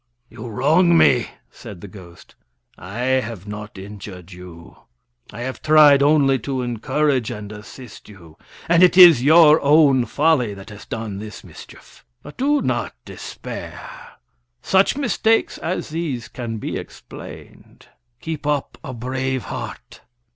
"You wrong me," said the ghost. "I have not injured you. I have tried only to encourage and assist you, and it is your own folly that has done this mischief. But do not despair. Such mistakes as these can be explained. Keep up a brave heart.